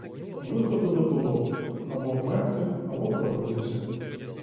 Виходу не було: або вмерти, або пробитися.